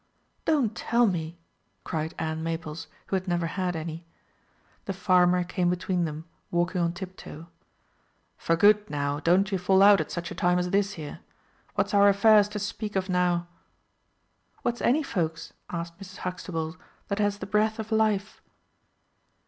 "Don't tell me," cried Ann Maples, who had never had any. The farmer came between them, walking on tip toe. "For good, now, don't ye fall out at such a time as this here. What's our affairs to speak of now?" "What's any folks," asked Mrs. Huxtable, "that has the breath of life?"